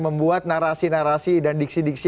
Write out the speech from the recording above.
membuat narasi narasi dan diksi diksi